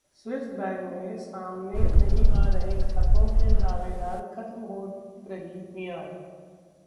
Swiss bank में सामने नहीं आ रहे खातों के दावेदार, खत्म हो रही मियाद